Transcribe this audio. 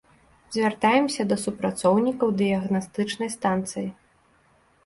Звяртаемся да супрацоўнікаў дыягнастычнай станцыі.